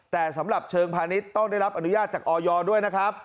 แต่สำหรับเชิงพาณิชย์ต้องได้รับอนุญาตจากออยด้วยนะครับ